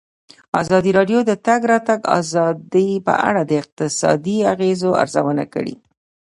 ازادي راډیو د د تګ راتګ ازادي په اړه د اقتصادي اغېزو ارزونه کړې.